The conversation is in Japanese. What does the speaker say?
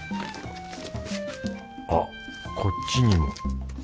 あっこっちにも。